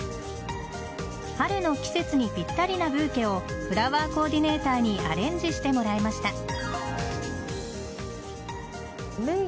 春の季節にぴったりなブーケをフラワーコーディネーターにアレンジしてもらいました。